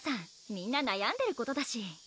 みんななやんでることだし！